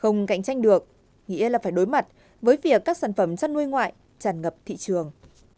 không cạnh tranh được nghĩa là phải đối mặt với việc các sản phẩm chăn nuôi ngoại tràn ngập thị trường